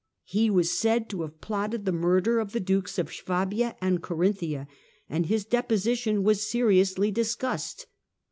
He was said to have plotted the murder of the dukes of Swabia and Corinthia, and his deposition was seriously discussed.